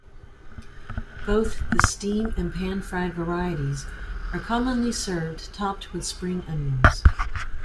Both the steamed and pan-fried varieties are commonly served topped with spring onions.